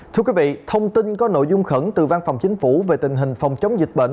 thưa quý vị thông tin có nội dung khẩn từ văn phòng chính phủ về tình hình phòng chống dịch bệnh